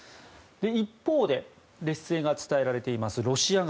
一方で、劣勢が伝えられていますロシア側。